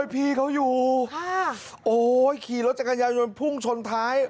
พี่เขาอยู่โอ้ยขี่รถจักรยายนพุ่งชนท้าย